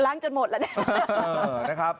ล้างจนหมดแล้ว